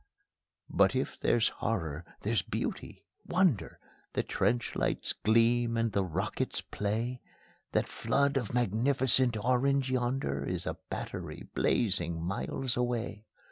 But if there's horror, there's beauty, wonder; The trench lights gleam and the rockets play. That flood of magnificent orange yonder Is a battery blazing miles away.